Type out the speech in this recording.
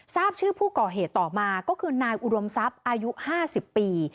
ทราบชื่อผู้ก่อเหตุต่อมาก็คือนายอุดมทรัพย์อายุ๕๐ปี